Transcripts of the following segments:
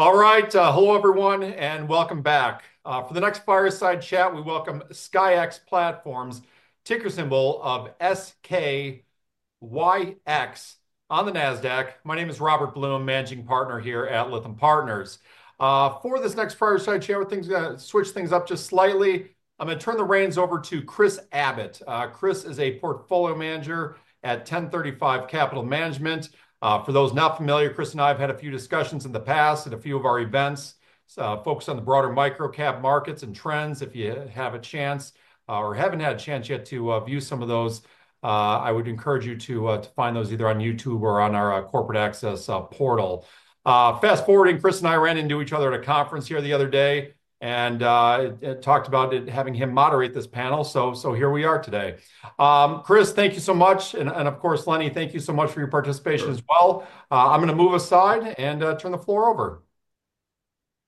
All right, hello everyone and welcome back. For the next fireside chat, we welcome SKYX Platforms, ticker symbol SKYX, on the NASDAQ. My name is Robert Blum, Managing Partner here at Lithium Partners. For this next fireside chat, we're going to switch things up just slightly. I'm going to turn the reins over to Chris Abbott. Chris is a portfolio manager at 1035 Capital Management. For those not familiar, Chris and I have had a few discussions in the past at a few of our events focused on the broader microcap markets and trends. If you have a chance or haven't had a chance yet to view some of those, I would encourage you to find those either on YouTube or on our corporate access portal. Fast forwarding, Chris and I ran into each other at a conference here the other day and talked about having him moderate this panel. Here we are today. Chris, thank you so much. Of course, Lenny, thank you so much for your participation as well. I'm going to move aside and turn the floor over.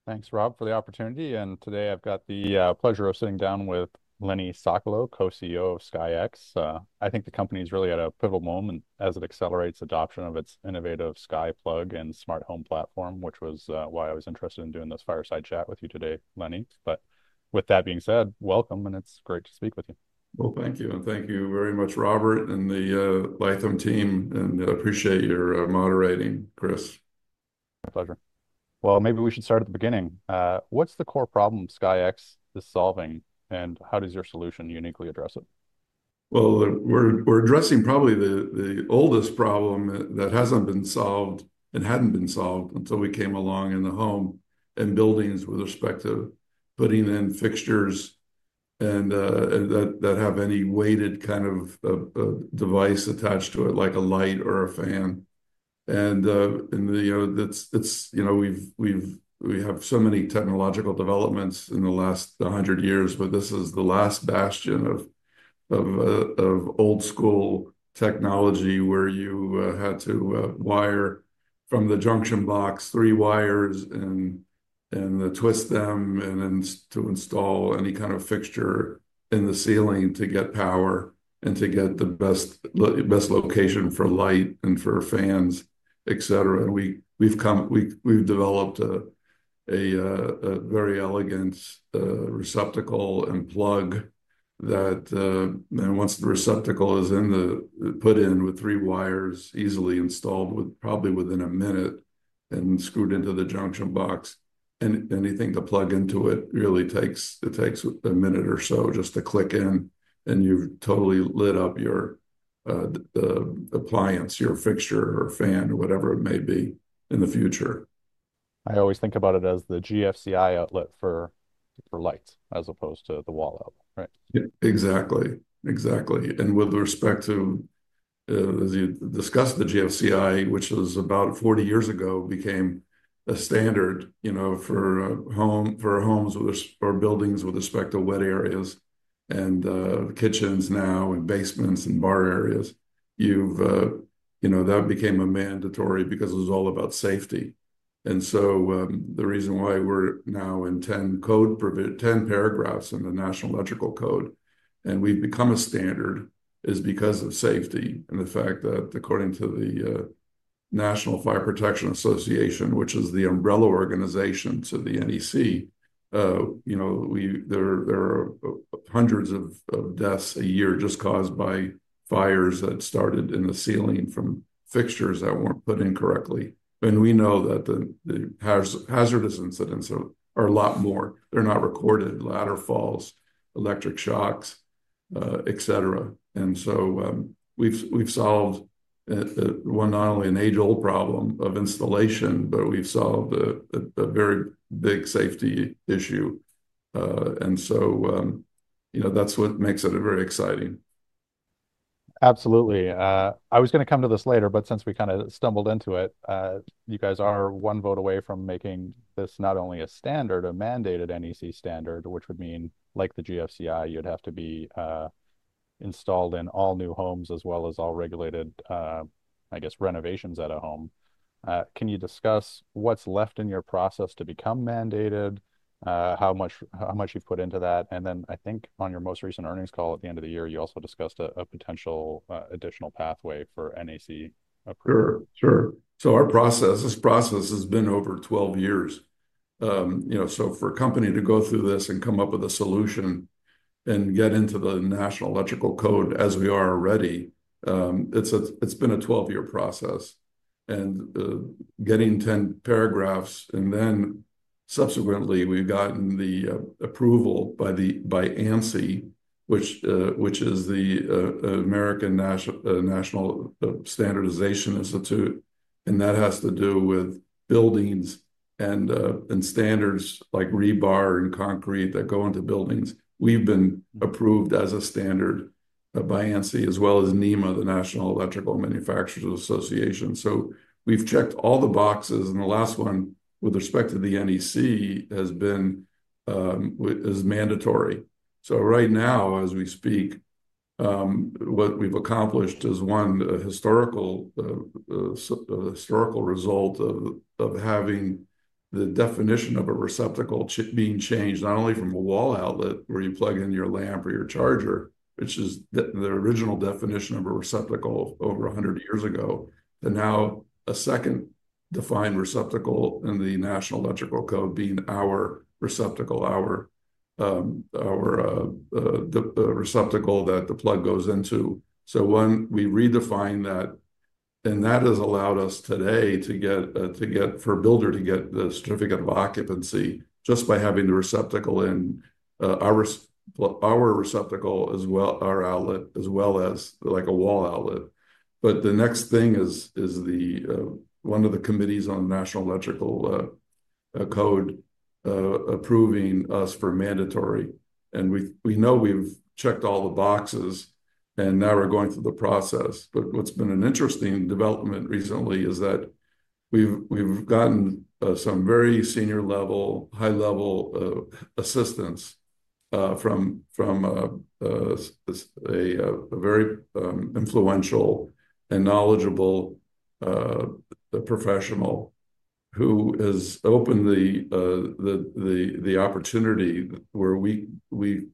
Thanks, Rob, for the opportunity. Today I've got the pleasure of sitting down with Lenny Sokolow, Co-CEO of SKYX. I think the company's really at a pivotal moment as it accelerates adoption of its innovative SkyPlug and smart home platform, which was why I was interested in doing this fireside chat with you today, Lenny. With that being said, welcome and it's great to speak with you. Thank you. Thank you very much, Robert, and the Lithium team. I appreciate your moderating, Chris. My pleasure. Maybe we should start at the beginning. What's the core problem SKYX is solving and how does your solution uniquely address it? We're addressing probably the oldest problem that hasn't been solved and hadn't been solved until we came along in the home and buildings with respect to putting in fixtures that have any weighted kind of device attached to it, like a light or a fan. You know, we have so many technological developments in the last 100 years, but this is the last bastion of old school technology where you had to wire from the junction box three wires and twist them to install any kind of fixture in the ceiling to get power and to get the best location for light and for fans, et cetera. We've developed a very elegant receptacle and plug that, once the receptacle is put in with three wires, easily installed probably within a minute and screwed into the junction box. Anything to plug into it really takes a minute or so just to click in and you've totally lit up your appliance, your fixture, or fan, whatever it may be in the future. I always think about it as the GFCI outlet for lights as opposed to the wall outlet, right? Exactly. Exactly. With respect to, as you discussed, the GFCI, which was about 40 years ago, became a standard for homes or buildings with respect to wet areas and kitchens now and basements and bar areas. That became mandatory because it was all about safety. The reason why we're now in 10 paragraphs in the National Electrical Code and we've become a standard is because of safety and the fact that according to the National Fire Protection Association, which is the umbrella organization to the NEC, you know, there are hundreds of deaths a year just caused by fires that started in the ceiling from fixtures that weren't put in correctly. We know that the hazardous incidents are a lot more. They're not recorded: ladder falls, electric shocks, et cetera. We've solved not only an age-old problem of installation, but we've solved a very big safety issue. You know, that's what makes it very exciting. Absolutely. I was going to come to this later, but since we kind of stumbled into it, you guys are one vote away from making this not only a standard, a mandated NEC standard, which would mean like the GFCI, you'd have to be installed in all new homes as well as all regulated, I guess, renovations at a home. Can you discuss what's left in your process to become mandated, how much you've put into that? I think on your most recent earnings call at the end of the year, you also discussed a potential additional pathway for NEC approval. Sure. Sure. Our process, this process has been over 12 years. You know, for a company to go through this and come up with a solution and get into the National Electrical Code as we are already, it's been a 12-year process. Getting 10 paragraphs and then subsequently we've gotten the approval by ANSI, which is the American National Standards Institute. That has to do with buildings and standards like rebar and concrete that go into buildings. We've been approved as a standard by ANSI as well as NEMA, the National Electrical Manufacturers Association. We've checked all the boxes. The last one with respect to the NEC has been mandatory. Right now, as we speak, what we've accomplished is one historical result of having the definition of a receptacle being changed, not only from a wall outlet where you plug in your lamp or your charger, which is the original definition of a receptacle over 100 years ago, to now a second defined receptacle in the National Electrical Code being our receptacle, our receptacle that the plug goes into. When we redefined that, and that has allowed us today to get for a builder to get the certificate of occupancy just by having the receptacle in our receptacle as well, our outlet, as well as like a wall outlet. The next thing is one of the committees on the National Electrical Code approving us for mandatory. We know we've checked all the boxes and now we're going through the process. What's been an interesting development recently is that we've gotten some very senior level, high level assistance from a very influential and knowledgeable professional who has opened the opportunity where we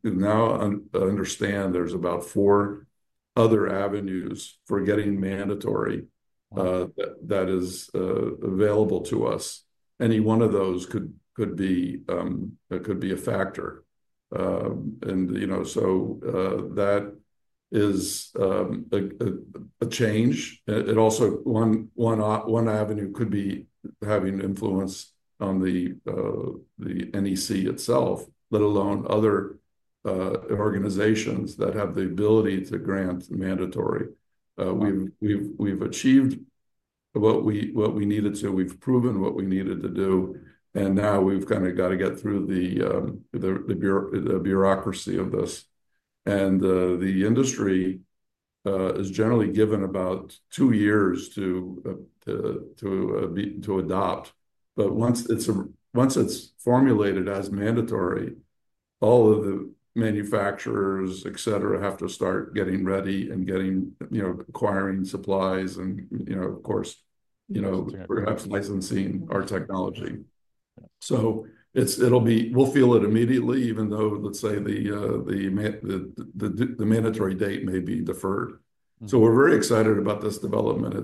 now understand there's about four other avenues for getting mandatory that is available to us. Any one of those could be a factor. You know, that is a change. Also, one avenue could be having influence on the NEC itself, let alone other organizations that have the ability to grant mandatory. We've achieved what we needed to. We've proven what we needed to do. Now we've kind of got to get through the bureaucracy of this. The industry is generally given about two years to adopt. Once it's formulated as mandatory, all of the manufacturers, et cetera, have to start getting ready and getting, you know, acquiring supplies and, you know, of course, you know, perhaps licensing our technology. It'll be, we'll feel it immediately, even though let's say the mandatory date may be deferred. We're very excited about this development.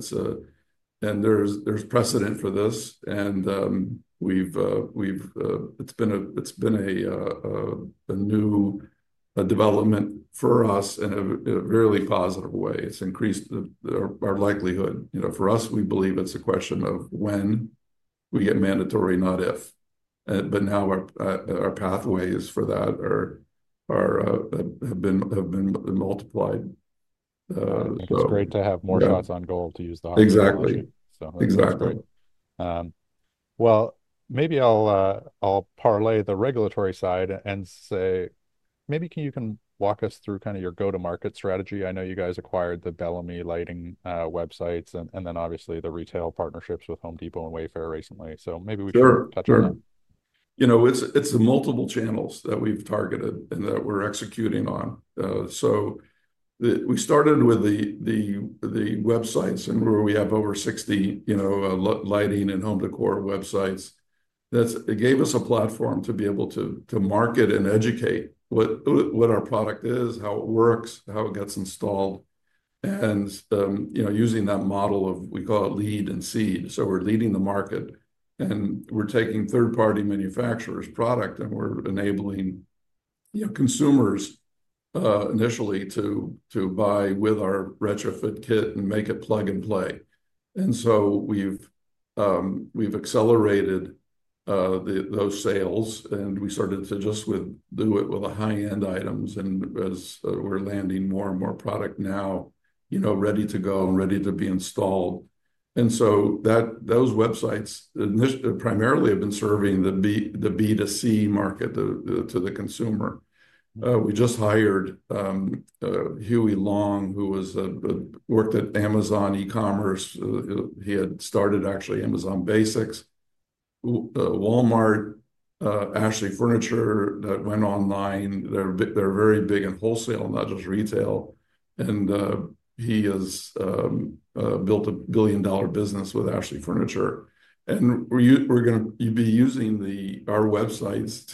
There's precedent for this. It's been a new development for us in a really positive way. It's increased our likelihood. You know, for us, we believe it's a question of when we get mandatory, not if. Now our pathways for that have been multiplied. It's great to have more shots on goal to use the opportunity. Exactly. Exactly. Maybe I'll parlay the regulatory side and say, maybe you can walk us through kind of your go-to-market strategy. I know you guys acquired the Belami Lighting websites and then obviously the retail partnerships with Home Depot and Wayfair recently. Maybe we can touch on that. Sure. You know, it's the multiple channels that we've targeted and that we're executing on. We started with the websites and where we have over 60, you know, lighting and home decor websites. It gave us a platform to be able to market and educate what our product is, how it works, how it gets installed. You know, using that model of, we call it lead and seed. We're leading the market and we're taking third-party manufacturers' product and we're enabling, you know, consumers initially to buy with our retrofit kit and make it plug and play. We've accelerated those sales and we started to just do it with the high-end items. As we're landing more and more product now, you know, ready to go and ready to be installed. Those websites primarily have been serving the B2C market to the consumer. We just hired Huey Long, who worked at Amazon e-commerce. He had started actually Amazon Basics, Walmart, Ashley Furniture that went online. They're very big in wholesale, not just retail. He has built a billion-dollar business with Ashley Furniture. We're going to be using our websites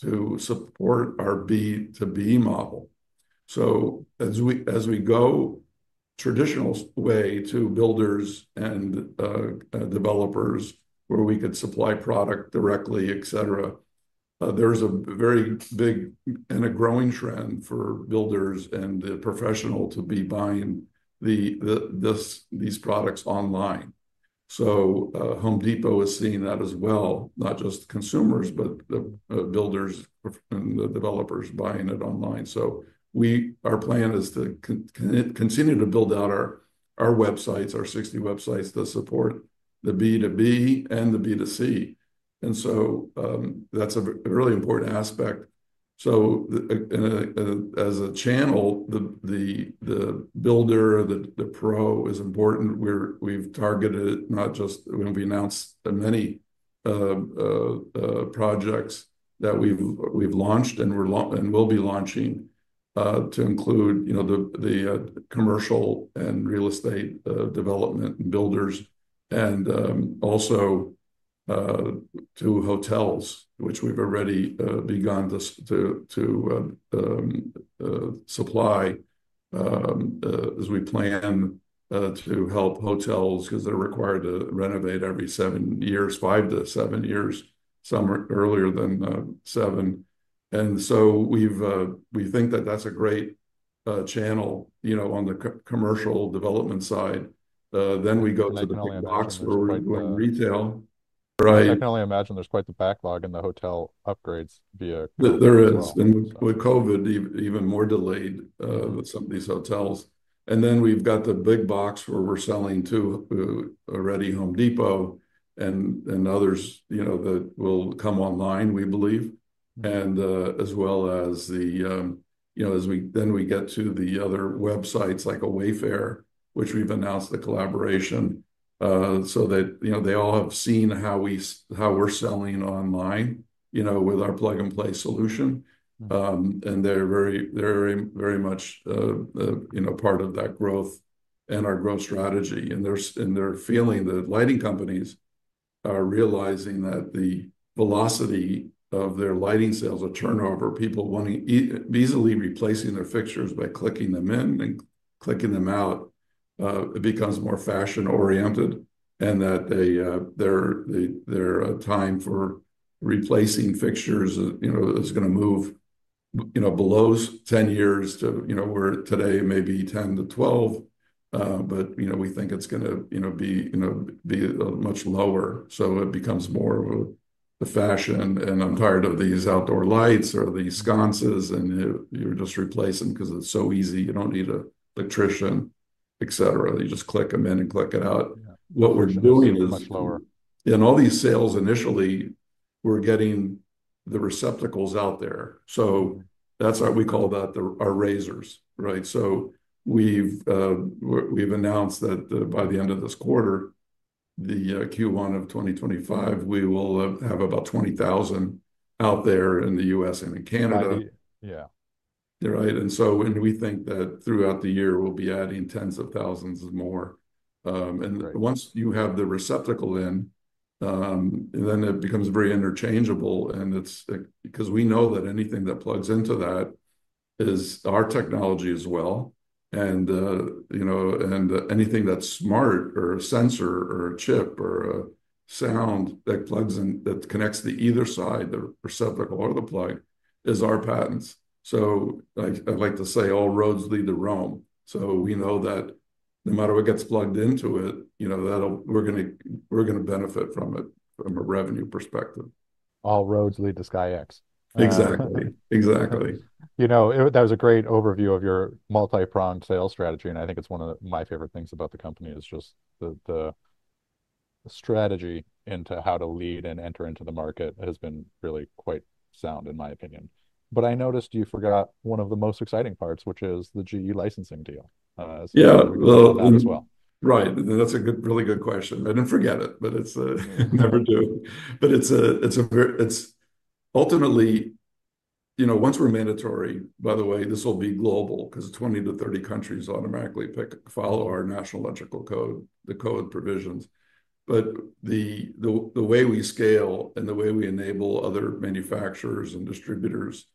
to support our B2B model. As we go traditional way to builders and developers where we could supply product directly, et cetera, there's a very big and a growing trend for builders and the professional to be buying these products online. Home Depot is seeing that as well, not just consumers, but builders and the developers buying it online. Our plan is to continue to build out our websites, our 60 websites to support the B2B and the B2C. That's a really important aspect. As a channel, the builder, the pro is important. We've targeted it not just when we announced many projects that we've launched and we'll be launching to include, you know, the commercial and real estate development and builders and also to hotels, which we've already begun to supply as we plan to help hotels because they're required to renovate every seven years, five to seven years, some earlier than seven. You know, we think that that's a great channel, you know, on the commercial development side. Then we go to the big box where we're doing retail. I can only imagine there's quite the backlog in the hotel upgrades via COVID. There is. With COVID, even more delayed with some of these hotels. We have the big box where we're selling to already Home Depot and others, you know, that will come online, we believe. As well as the, you know, as we then we get to the other websites like a Wayfair, which we've announced the collaboration so that, you know, they all have seen how we're selling online, you know, with our plug and play solution. They're very much, you know, part of that growth and our growth strategy. They're feeling the lighting companies are realizing that the velocity of their lighting sales, a turnover, people easily replacing their fixtures by clicking them in and clicking them out, it becomes more fashion-oriented and that their time for replacing fixtures, you know, is going to move, you know, below 10 years to, you know, where today may be 10-12. You know, we think it's going to, you know, be much lower. It becomes more of a fashion. I'm tired of these outdoor lights or these sconces and you're just replacing them because it's so easy. You don't need an electrician, et cetera. You just click them in and click it out. What we're doing is in all these sales initially, we're getting the receptacles out there. That's why we call that our razors, right? We've announced that by the end of this quarter, the Q1 of 2025, we will have about 20,000 out there in the U.S. and in Canada. Yeah. Right? We think that throughout the year, we'll be adding tens of thousands more. Once you have the receptacle in, then it becomes very interchangeable. It's because we know that anything that plugs into that is our technology as well. You know, anything that's smart or a sensor or a chip or a sound that connects to either side, the receptacle or the plug, is our patents. I'd like to say all roads lead to Rome. We know that no matter what gets plugged into it, you know, we're going to benefit from it from a revenue perspective. All roads lead to SKYX. Exactly. Exactly. You know, that was a great overview of your multi-pronged sales strategy. I think it's one of my favorite things about the company is just the strategy into how to lead and enter into the market has been really quite sound, in my opinion. I noticed you forgot one of the most exciting parts, which is the GE licensing deal. Yeah. Well. That as well. Right. That's a really good question. I didn't forget it, but it's never due. It's ultimately, you know, once we're mandatory, by the way, this will be global because 20-30 countries automatically follow our National Electrical Code, the code provisions. The way we scale and the way we enable other manufacturers and distributors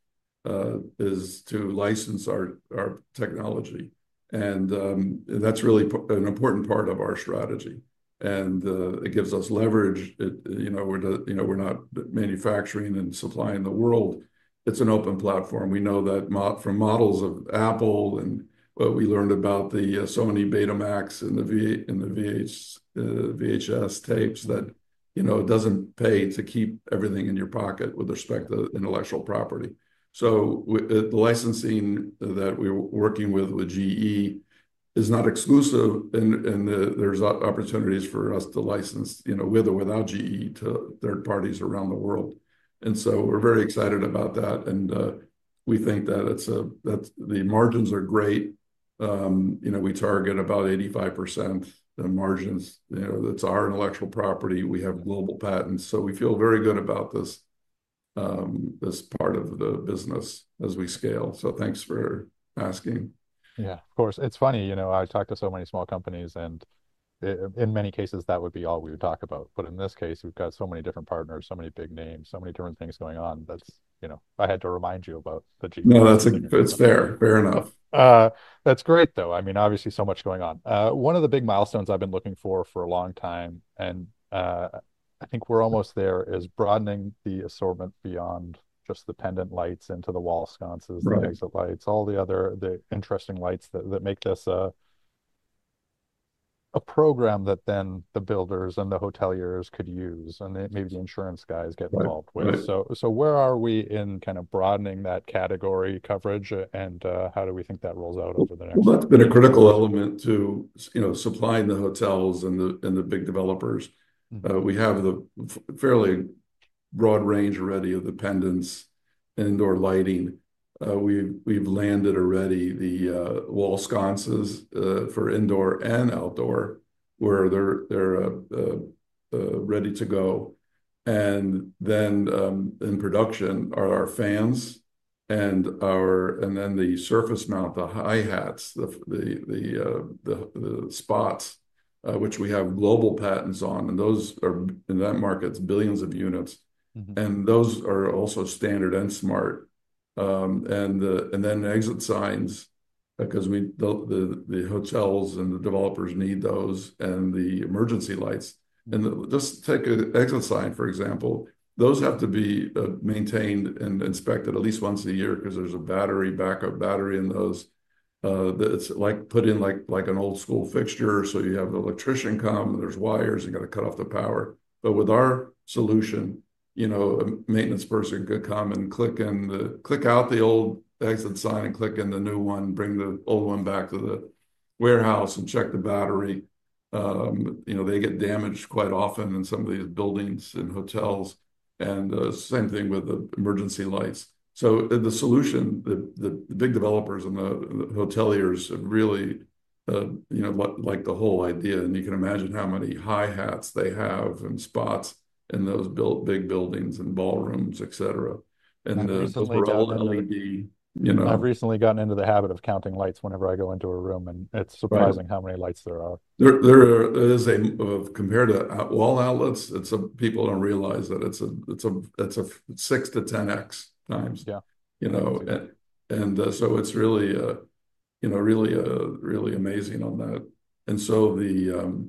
is to license our technology. That's really an important part of our strategy. It gives us leverage. You know, we're not manufacturing and supplying the world. It's an open platform. We know that from models of Apple and what we learned about the Sony Betamax and the VHS tapes that, you know, it doesn't pay to keep everything in your pocket with respect to intellectual property. The licensing that we're working with with GE is not exclusive. There are opportunities for us to license, you know, with or without GE to third parties around the world. We are very excited about that. We think that the margins are great. You know, we target about 85% margins. You know, it is our intellectual property. We have global patents. We feel very good about this part of the business as we scale. Thanks for asking. Yeah, of course. It's funny, you know, I talked to so many small companies and in many cases, that would be all we would talk about. In this case, we've got so many different partners, so many big names, so many different things going on that's, you know, I had to remind you about the GE. No, that's fair. Fair enough. That's great though. I mean, obviously so much going on. One of the big milestones I've been looking for for a long time and I think we're almost there is broadening the assortment beyond just the pendant lights into the wall sconces, the exit signs, all the other interesting lights that make this a program that then the builders and the hoteliers could use and maybe the insurance guys get involved with. Where are we in kind of broadening that category coverage and how do we think that rolls out over the next? That's been a critical element to, you know, supplying the hotels and the big developers. We have the fairly broad range already of the pendants and indoor lighting. We've landed already the wall sconces for indoor and outdoor where they're ready to go. In production are our fans and then the surface mount, the high hats, the spots, which we have global patents on. Those are in that market, billions of units. Those are also standard and smart. Exit signs because the hotels and the developers need those and the emergency lights. Just take an exit sign, for example. Those have to be maintained and inspected at least once a year because there's a battery, backup battery in those. It's like put in like an old school fixture. You have an electrician come, there's wires, you got to cut off the power. With our solution, you know, a maintenance person could come and click out the old exit sign and click in the new one, bring the old one back to the warehouse and check the battery. You know, they get damaged quite often in some of these buildings and hotels. Same thing with the emergency lights. The solution, the big developers and the hoteliers really, you know, like the whole idea. You can imagine how many high hats they have and spots in those big buildings and ballrooms, et cetera. The overall LED, you know. I've recently gotten into the habit of counting lights whenever I go into a room, and it's surprising how many lights there are. There is a compared to wall outlets, people don't realize that it's a 6-10x times. Yeah. You know, and so it's really, you know, really amazing on that.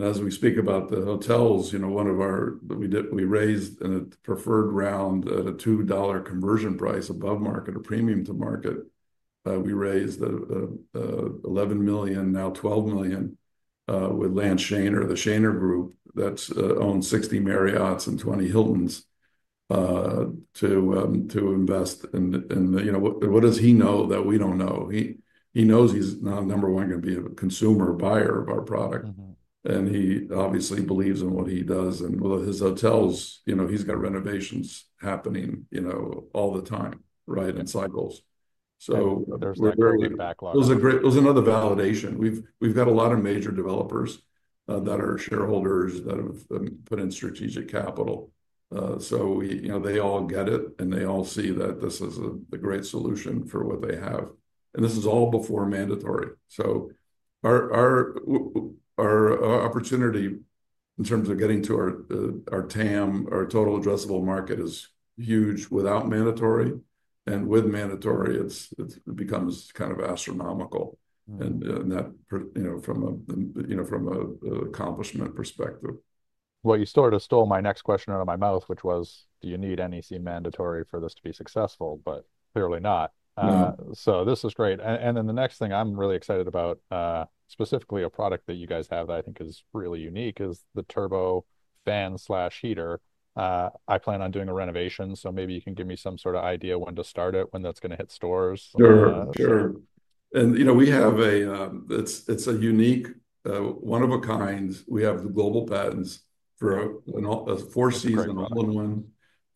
As we speak about the hotels, you know, one of our, we raised in a preferred round at a $2 conversion price above market or premium to market. We raised $11 million, now $12 million with Lance Shaner, the Shaner Group that owns 60 Marriott's and 20 Hilton's to invest in, you know, what does he know that we don't know? He knows he's number one going to be a consumer buyer of our product. And he obviously believes in what he does. And his hotels, you know, he's got renovations happening, you know, all the time, right, and cycles. So there's a great, there's another validation. We've got a lot of major developers that are shareholders that have put in strategic capital. We, you know, they all get it and they all see that this is a great solution for what they have. This is all before mandatory. Our opportunity in terms of getting to our TAM, our total addressable market, is huge without mandatory. With mandatory, it becomes kind of astronomical. That, you know, from an accomplishment perspective. You sort of stole my next question out of my mouth, which was, do you need NEC mandatory for this to be successful? Clearly not. This is great. The next thing I'm really excited about, specifically a product that you guys have that I think is really unique, is the turbo fan slash heater. I plan on doing a renovation, so maybe you can give me some sort of idea when to start it, when that's going to hit stores. Sure. Sure. And you know, we have a, it's a unique, one of a kind. We have the global patents for a four-season all-in-one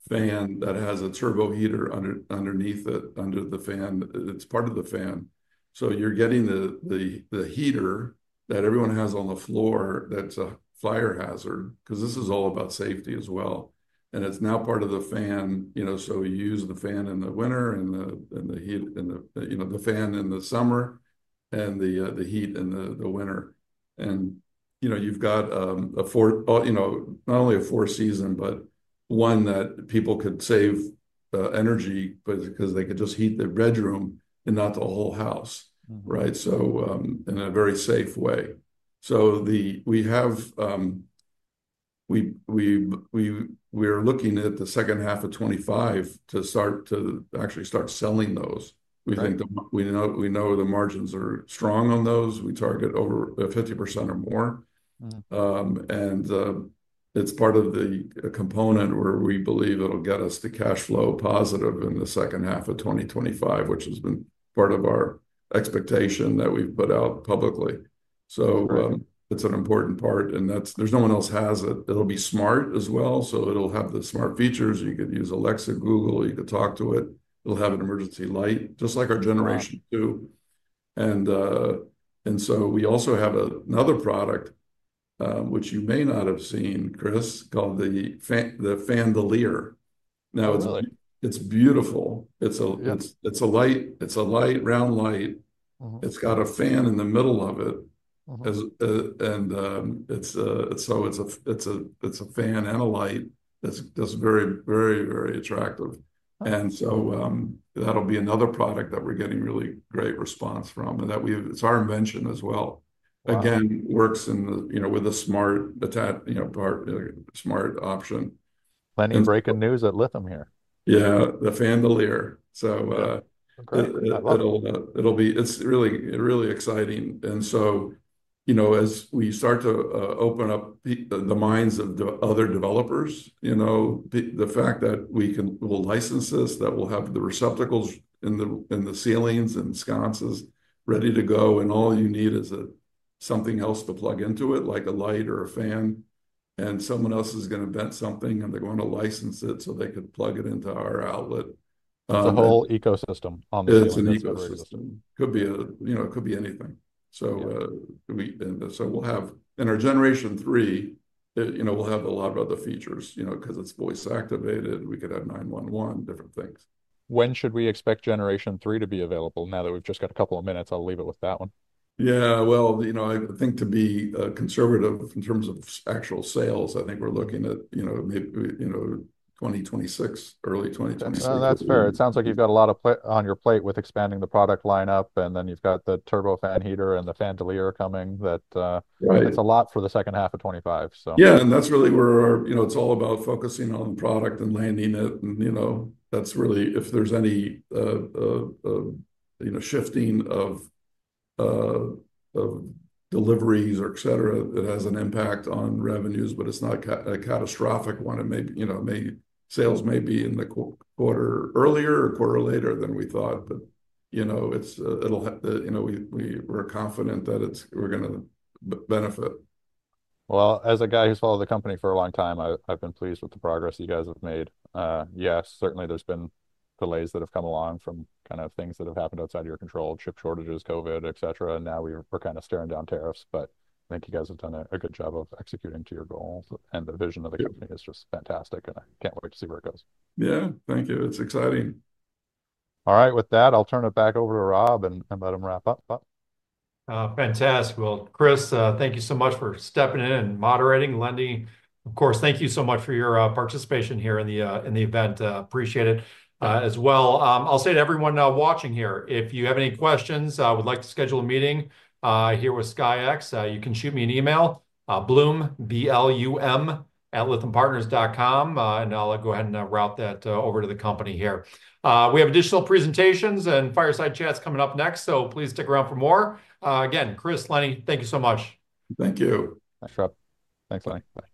fan that has a turbo heater underneath it, under the fan. It's part of the fan. So you're getting the heater that everyone has on the floor that's a fire hazard because this is all about safety as well. And it's now part of the fan, you know, so you use the fan in the winter and the heat, you know, the fan in the summer and the heat in the winter. And you know, you've got a, you know, not only a four-season, but one that people could save energy because they could just heat the bedroom and not the whole house, right? So in a very safe way. We are looking at the second half of 2025 to actually start selling those. We think we know the margins are strong on those. We target over 50% or more. It is part of the component where we believe it will get us to cash flow positive in the second half of 2025, which has been part of our expectation that we have put out publicly. It is an important part and no one else has it. It will be smart as well. It will have the smart features. You could use Alexa, Google, you could talk to it. It will have an emergency light, just like our generation two. We also have another product, which you may not have seen, Chris, called the Fandelier. It is beautiful. It is a light, it is a light, round light. It has got a fan in the middle of it. It's a fan and a light. It's very, very, very attractive. That'll be another product that we're getting really great response from and that we've, it's our invention as well. Again, works in the, you know, with the smart part, smart option. Plenty breaking news at Lithium here. Yeah, the Fandelier. It'll be really exciting. As we start to open up the minds of other developers, you know, the fact that we will license this, that we'll have the receptacles in the ceilings and sconces ready to go and all you need is something else to plug into it, like a light or a fan. Someone else is going to invent something and they're going to license it so they could plug it into our outlet. It's a whole ecosystem on the surface. It's an ecosystem. Could be a, you know, could be anything. We'll have in our generation three, you know, we'll have a lot of other features, you know, because it's voice activated. We could have 911, different things. When should we expect generation three to be available? Now that we've just got a couple of minutes, I'll leave it with that one. Yeah. You know, I think to be conservative in terms of actual sales, I think we're looking at, you know, maybe, you know, 2026, early 2026. That's fair. It sounds like you've got a lot on your plate with expanding the product lineup and then you've got the turbo fan heater and the Fandelier coming that it's a lot for the second half of 2025. Yeah. That's really where our, you know, it's all about focusing on the product and landing it. You know, that's really, if there's any, you know, shifting of deliveries or et cetera, it has an impact on revenues, but it's not a catastrophic one. It may, you know, sales may be in the quarter earlier or quarter later than we thought. You know, we're confident that it's, we're going to benefit. As a guy who's followed the company for a long time, I've been pleased with the progress you guys have made. Yes, certainly there's been delays that have come along from kind of things that have happened outside of your control, chip shortages, COVID, et cetera. Now we're kind of staring down tariffs. I think you guys have done a good job of executing to your goals. The vision of the company is just fantastic. I can't wait to see where it goes. Yeah. Thank you. It's exciting. All right. With that, I'll turn it back over to Rob and let him wrap up. Fantastic. Chris, thank you so much for stepping in and moderating, lending. Of course, thank you so much for your participation here in the event. Appreciate it as well. I'll say to everyone watching here, if you have any questions, I would like to schedule a meeting here with SKYX. You can shoot me an email, Blum, blum@lithiumpartners.com. I'll go ahead and route that over to the company here. We have additional presentations and fireside chats coming up next. Please stick around for more. Again, Chris, Lenny, thank you so much. Thank you. Thanks, Rob. Thanks, Lenny. Bye. Bye.